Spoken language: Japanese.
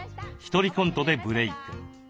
ひとりコントでブレイク。